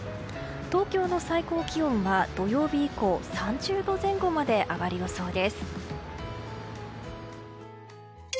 東京の最高気温は土曜日以降３０度前後まで上がる予想です。